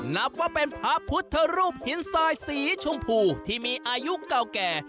นับว่าเป็นพระพุทธรูปหินทรายสีชมพูที่มีอายุเก่าแก่